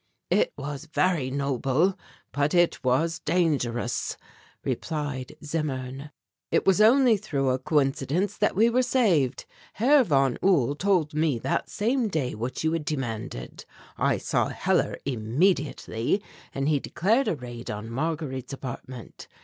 "It was very noble, but it was dangerous," replied Zimmern. "It was only through a coincidence that we were saved. Herr von Uhl told me that same day what you had demanded. I saw Hellar immediately and he declared a raid on Marguerite's apartment.